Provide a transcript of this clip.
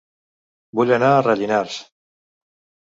Vull anar a Rellinars